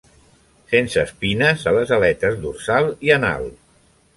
Sense espines a les aletes dorsal i anal.